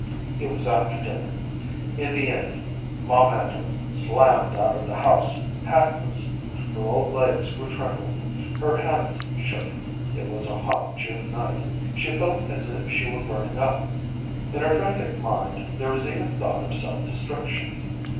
It was after dinner. In the end Ma Mandle slammed out of the house, hatless. Her old legs were trembling. Her hands shook. It was a hot June night. She felt as if she were burning up. In her frantic mind there was even thought of self destruction.